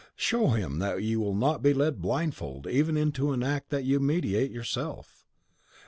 Show him that you will not be led blindfold even into an act that you meditate yourself.